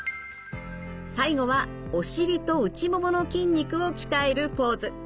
最後はお尻と内ももの筋肉を鍛えるポーズ。